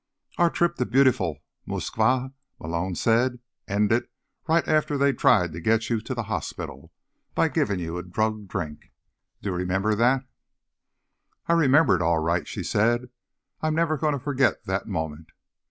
"Our trip to Beautiful Moskva," Malone said, "ended right after they tried to get you to the hospital, by giving you a drugged drink. Do you remember that?" "I remember it, all right," she said. "I'm never going to forget that moment."